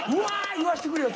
言わしてくれよ？